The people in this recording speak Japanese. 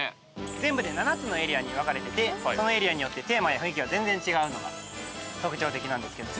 全部で７つのエリアに分かれててそのエリアによってテーマや雰囲気が全然違うのが特徴的なんですけども。